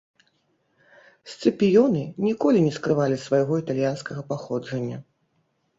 Сцыпіёны ніколі не скрывалі свайго італьянскага паходжання.